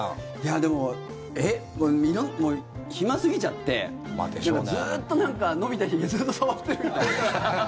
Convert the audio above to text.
でも、暇すぎちゃってずっと伸びたひげずっと触ってるみたいな。